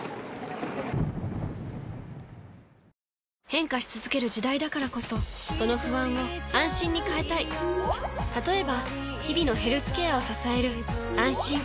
変化し続ける時代だからこそその不安を「あんしん」に変えたい例えば日々のヘルスケアを支える「あんしん」